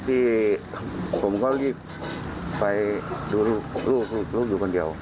ที่ผมก็รีบไปดูลูกลูกอยู่คนเดียว